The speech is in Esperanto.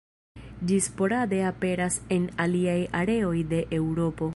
Ĝi sporade aperas en aliaj areoj de Eŭropo.